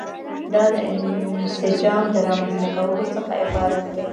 دا د انسجام د رامنځته کولو څخه عبارت دي.